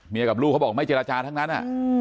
กับลูกเขาบอกไม่เจรจาทั้งนั้น